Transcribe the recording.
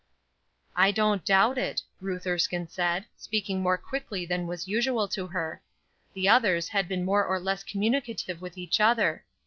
"I don't doubt it," Ruth Erskine said, speaking more quickly than was usual to her. The others had been more or less communicative with each other.